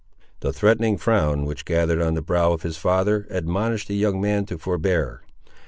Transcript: The threatening frown, which gathered on the brow of his father, admonished the young man to forbear.